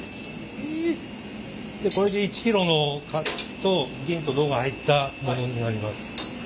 これで１キロの銀と銅が入ったものになります。